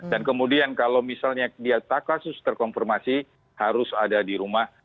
dan kemudian kalau misalnya dia tak kasus terkonfirmasi harus ada di rumah